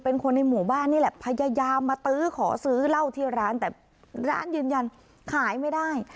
เป็นคนในหมู่บ้านนี่แหละพยายามมาตื้อขอซื้อเหล้าที่ร้านแต่ร้านยืนยันขายไม่ได้